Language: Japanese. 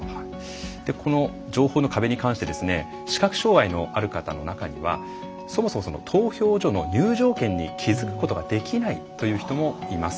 この情報の壁に関して視覚障害のある方の中にはそもそも投票所の入場券に気付くことができないという人もいます。